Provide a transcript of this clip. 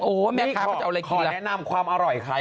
โอ้โหแม่ค่ะมันจะเอาอะไรกินละขอแนะนำความอร่อยค่ะ